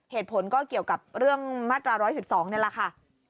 เหตุผลก็เกี่ยวกับเรื่องมาตรา๑๑๒นี่แหละค่ะ